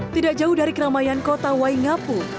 tidak jauh dari keramaian kota waingapu